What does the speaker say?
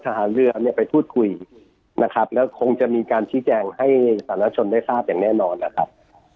ทหารเรือเนี่ยไปพูดคุยนะครับแล้วคงจะมีการชี้แจงให้สาธารณชนได้ทราบอย่างแน่นอนนะครับ